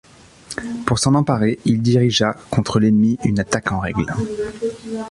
Pour s'en emparer, il dirigea contre l'ennemi une attaque en règle.